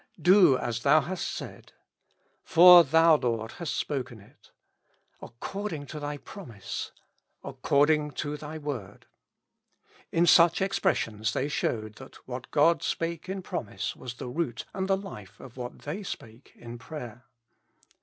"Do as Thou hast said;" "For Thou, Lord, hast spoken it;" According to Thy pro mise :"" According to Thy word :" in such expres sions they showed that what God spake in promise was the root and the life of what they spake in prayer.